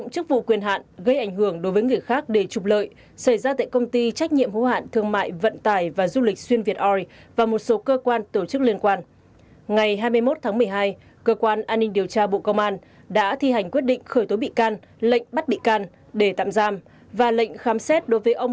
cơ quan an ninh điều tra bộ công an vừa khởi tố tạm giam thứ trưởng bộ công thương đỗ thắng hải về hành vi nhận hối lộ